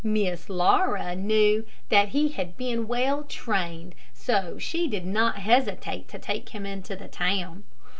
Miss Laura knew that he had been well trained, so she did not hesitate to take him into the town.